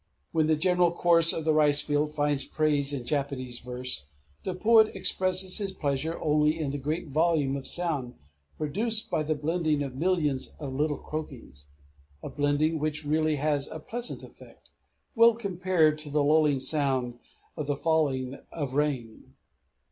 When the general chorus of the ricefield finds praise in Japanese verse, the poet expresses his pleasure only in the great volume of sound produced by the blending of millions of little croakings, a blending which really has a pleasant effect, well compared to the lulling sound of the falling of rain.